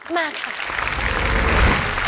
มาค่ะ